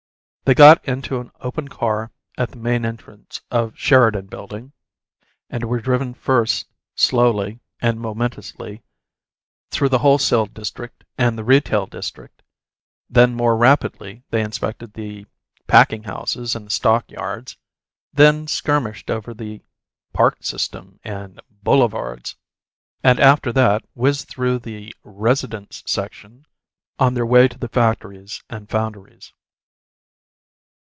They got into an open car at the main entrance of the Sheridan Building, and were driven first, slowly and momentously, through the wholesale district and the retail district; then more rapidly they inspected the packing houses and the stock yards; then skirmished over the "park system" and "boulevards"; and after that whizzed through the "residence section" on their way to the factories and foundries.